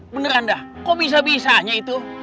beneran dah kok bisa bisanya itu